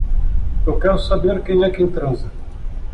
Eu quero saber, quem é quem transa